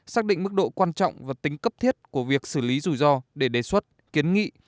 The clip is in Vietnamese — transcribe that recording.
xác định mức độ quan trọng và tính cấp thiết của việc xử lý rủi ro để đề xuất kiến nghị